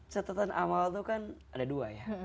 catatan awal itu kan ada dua ya